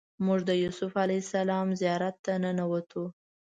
موږ د یوسف علیه السلام زیارت ته ننوتو.